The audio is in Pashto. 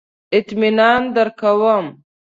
اطمینان درکوم.